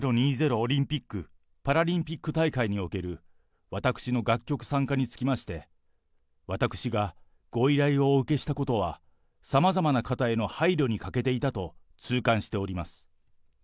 オリンピック・パラリンピック大会における私の楽曲参加につきまして、私がご依頼をお受けしたことは、さまざまな方への配慮に欠けていたと痛感しております。